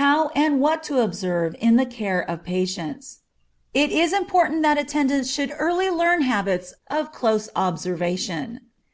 How and What to Observe in the Care of Patients. It is important that attendants should early learn habits of close observation.